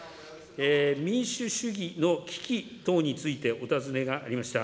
民主主義の危機等についてお尋ねがありました。